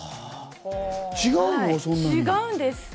違うんです。